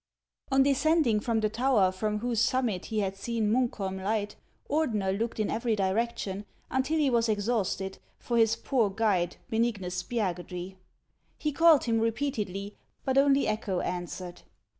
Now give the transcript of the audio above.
OX descending from the tower from whose summit he had seen Mimkholm light, Ordener looked in every direction, until he was exhausted, for his poor guide, Beiiignus Spiagudry. He called him repeatedly, but only echo answered.